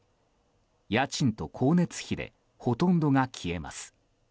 家賃と光熱費でほとんどが消えます。